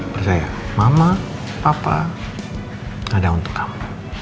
percaya mama papa ada untuk kamu